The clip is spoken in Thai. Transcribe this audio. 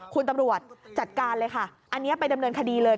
คุณตำรวจจัดการเลยค่ะอันนี้ไปดำเนินคดีเลย